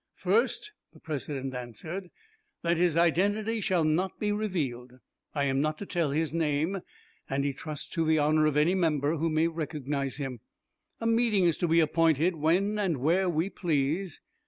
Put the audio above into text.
"First," the President answered, "that his identity shall not be revealed. I am not to tell his name, and he trusts to the honor of any member who may recognize him. A meeting is to be appointed when and where we please.